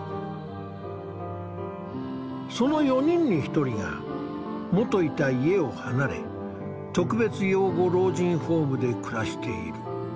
その４人に１人が元いた家を離れ特別養護老人ホームで暮らしている。